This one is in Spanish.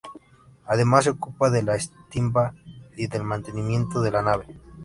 Además se ocupaba de la estiba y del mantenimiento de la nave.